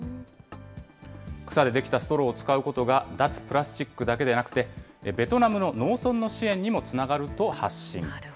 草で出来たストローを使うことが、脱プラスチックだけでなくて、ベトナムの農村の支援にもつながると発信。